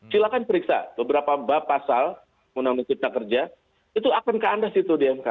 silahkan periksa beberapa bab pasal undang undang kecil kita kerja itu akan keanda situ di mk